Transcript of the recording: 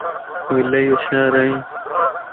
تون الائي هوشيار ائين